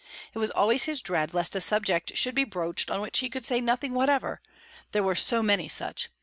It was always his dread lest a subject should be broached on which he could say nothing whatever there were so many such!